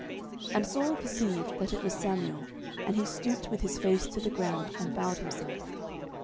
And Saul perceived that it was Samuel, and he stooped with his face to the ground, and bowed himself.